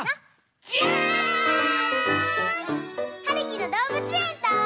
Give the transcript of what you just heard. ジャーン！はるきのどうぶつえんと。